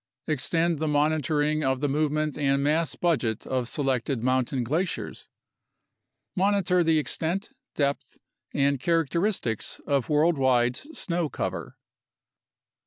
Extend the monitoring of the movement and mass budget of se lected mountain glaciers. Monitor the extent, depth, and characteristics of worldwide snow cover.